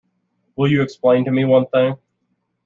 Will you explain to me one thing?